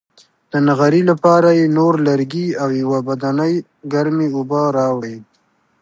د نغري لپاره یې نور لرګي او یوه بدنۍ ګرمې اوبه راوړې.